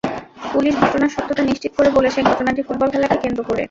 Police ঘটনার সত্যতা নিশ্চিত করে বলেছে, ঘটনাটি ফুটবল খেলাকে কেন্দ্র করে।